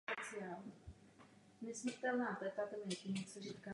Tlak je díky téměř dokonalé absenci okolního hmotného prostředí roven nule.